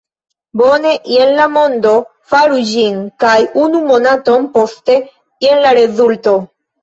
Bone, jen la mondo, faru ĝin! kaj unu monaton poste, jen la rezulto!